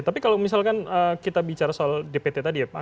tapi kalau misalkan kita bicara soal dpt tadi ya pak